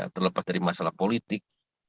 terlepas dari masalah politik